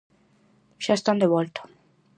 Xa están de volta.